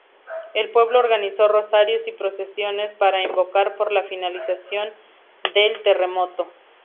El pueblo organizó rosarios y procesiones para invocar por la finalización del terremoto.